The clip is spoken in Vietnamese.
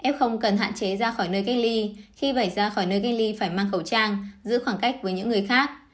f cần hạn chế ra khỏi nơi cách ly khi vẩy ra khỏi nơi cách ly phải mang khẩu trang giữ khoảng cách với những người khác